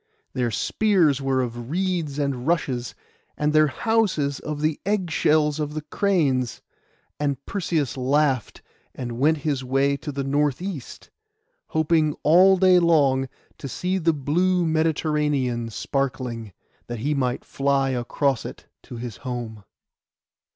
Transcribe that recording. Their spears were of reeds and rushes, and their houses of the egg shells of the cranes; and Perseus laughed, and went his way to the north east, hoping all day long to see the blue Mediterranean sparkling, that he might fly across it to his home.